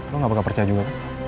lo gak bakal percaya juga